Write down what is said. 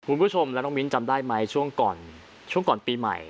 คุณผู้ชมและน้องมิ้นจำได้ไหมช่วงก่อนช่วงก่อนปีใหม่